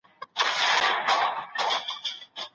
له ماضي سره نږدې اړیکه لرل د پوهي نښه ده.